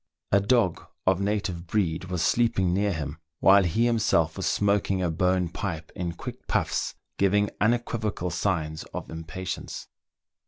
A dog of native breed was sleeping near him, while he himself was smoking a bone pipe in quick puffs, giving unequivocal signs of im patience.